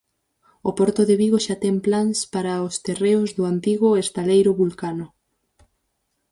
O Porto de Vigo xa ten plans para os terreos do antigo estaleiro Vulcano.